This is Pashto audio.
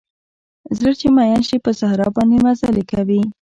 زړه چې مئین شي په صحرا باندې مزلې کوي